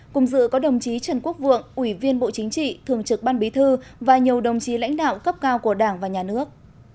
cùng dự có đồng chí trần quốc vượng ủy viên bộ chính trị thường trực ban bí thư và nhiều đồng chí lãnh đạo cấp cao của đảng và nhà nước